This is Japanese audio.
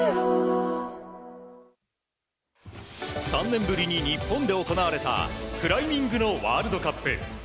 ３年ぶりに日本で行われたクライミングのワールドカップ。